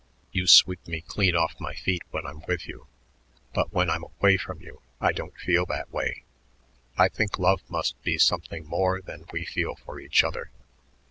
You sweep me clean off my feet when I'm with you, but when I'm away from you I don't feel that way. I think love must be something more than we feel for each other."